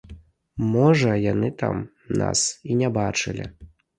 Можа, яны там нас і не бачылі.